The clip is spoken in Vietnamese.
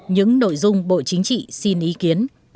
những nội dung bộ chính trị xin ý kiến